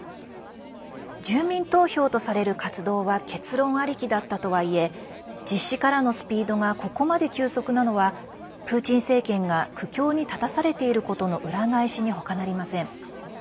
住民投票とされる活動は結論ありきだったとはいえ実施からのスピードがここまで急速なのはプーチン政権が苦境に立たされていることの裏返しに他なりません。